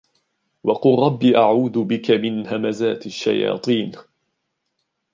وَقُلْ رَبِّ أَعُوذُ بِكَ مِنْ هَمَزَاتِ الشَّيَاطِينِ